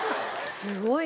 すごいね。